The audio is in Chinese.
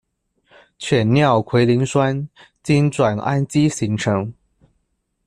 犬尿喹啉酸经转氨基形成。